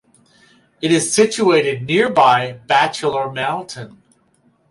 It is situated nearby Bachelor Mountain.